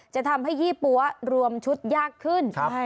จะทำให้ยี่ปั๊วรวมชุดยากขึ้น